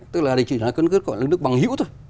tức là chỉ là nước bằng hiểu thôi